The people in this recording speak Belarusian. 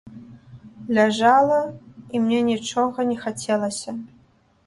Ляжала, і мне нічога не хацелася.